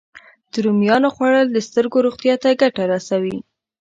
د رومیانو خوړل د سترګو روغتیا ته ګټه رسوي